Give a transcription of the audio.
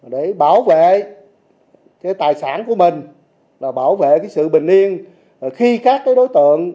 để bảo vệ tài sản của mình là bảo vệ sự bình yên khi các đối tượng